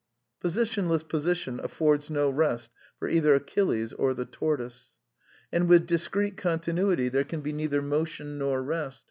Positionless position affords no rest for either Achilles or the tortoise. And with discrete continuily there can be neither m tion nor rest.